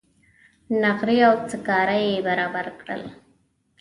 نغرۍ او سکاره یې برابر کړل.